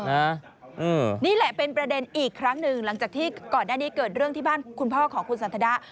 นี่แหละเป็นประเด็นอีกครั้งหนึ่งหลังจากที่ก่อนหน้านี้เกิดเรื่องที่บ้านคุณพ่อของคุณสันทนะ